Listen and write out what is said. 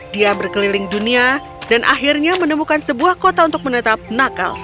dia berkeliling dunia dan akhirnya menemukan sebuah kota untuk menetap nucles